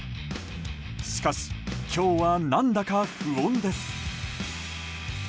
しかし、今日は何だか不穏です。